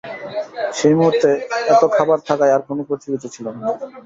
সেই মুহূর্তে এত খাবার থাকায় আর কোনো প্রতিযোগিতা ছিল না।